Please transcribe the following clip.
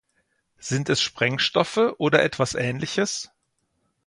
Sind es Sprengstoffe oder etwas Ähnliches?